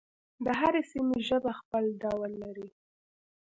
د هرې سیمې ژبه خپل ډول لري.